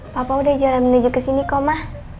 papa udah jalan menuju kesini kok ma